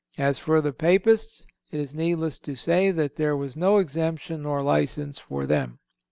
As for the 'Papists,' it is needless to say that there was no exemption nor license for them."